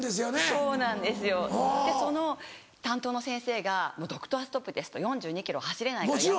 そうなんですよでその担当の先生が「ドクターストップです４２ｋｍ走れないから」。